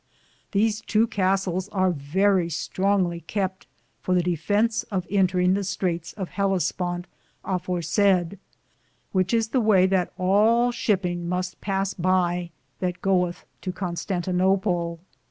These tow Castels are verrie strongly kepte for the defence of entringe the Straites of Hellisponte aforesaid, which is the waye that all shipinge muste pass by that goethe to Constantinople.